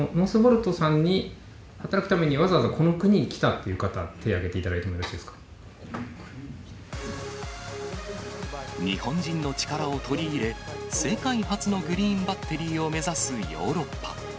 このノースボルトさんに、働くためにわざわざこの国に来たという方、手を挙げていただいて日本人の力を取り入れ、世界初のグリーンバッテリーを目指すヨーロッパ。